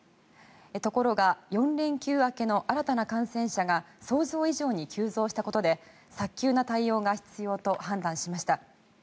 ところが、４連休明けの新たな感染者が想像以上に急増したことで早急な対応が必要と判断しました。